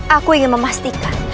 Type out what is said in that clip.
aku ingin memastikan